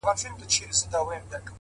نه زما زخم د لکۍ سي جوړېدلای-